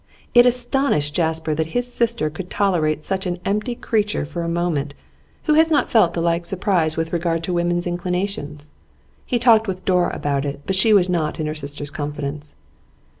It astonished Jasper that his sister could tolerate such an empty creature for a moment; who has not felt the like surprise with regard to women's inclinations? He talked with Dora about it, but she was not in her sister's confidence.